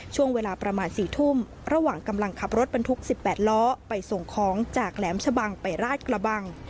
ช่วงเวลาประมาณ๔ทุ่มระหว่างกำลังขับรถบรรทุก๑๘ล้อไปส่งของจากแหลมชะบังไปราชกระบัง